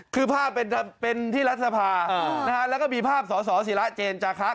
คือภาพเป็นที่รัฐสภาแล้วก็มีภาพสสิระเจนจาคะ